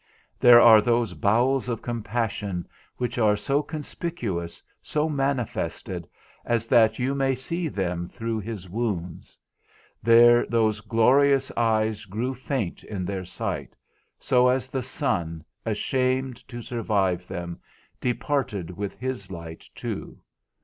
There are those bowels of compassion which are so conspicuous, so manifested, as that you may see them through his wounds. There those glorious eyes grew faint in their sight, so as the sun, ashamed to survive them, departed with his light too.